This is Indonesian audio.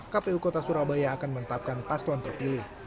kpu kota surabaya akan menetapkan pasloan perpilih